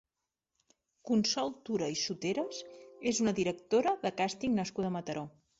Consol Tura i Soteras és una directora de càsting nascuda a Mataró.